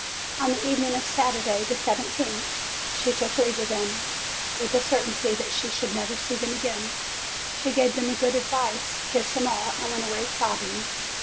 On the evening of Saturday, the seventeenth, she took leave of them, with the certainty that she should never see them again. She gave them good advice, kissed them all, and went away sobbing.